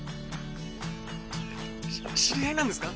し知り合いなんですか！？